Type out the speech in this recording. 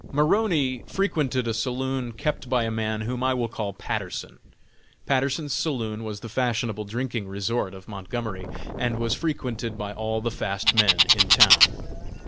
Maroney frequented a saloon kept by a man whom I will call Patterson. Patterson's saloon was the fashionable drinking resort of Montgomery, and was frequented by all the fast men in town.